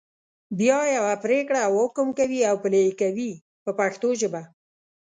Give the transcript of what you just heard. بیا یوه پرېکړه او حکم کوي او پلي یې کوي په پښتو ژبه.